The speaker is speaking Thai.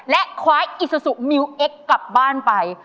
และคว้าอิซูซูมิวเอ็กซ์กลับบ้านไป